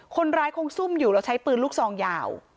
คนร้ายคงซุ่มอยู่แล้วใช้ปืนลูกซองยาว